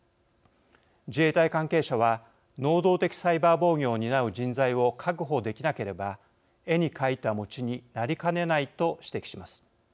自衛隊関係者は能動的サイバー防御を担う人材を確保できなければ絵に描いた餅になりかねないと指摘します。